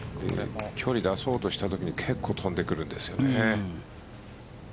距離を出すとき結構飛んでくるんですよね。